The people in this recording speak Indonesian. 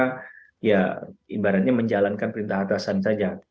mereka ibaratnya menjalankan perintah atasan saja